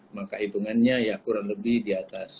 maka hitungannya ya kurang lebih di atas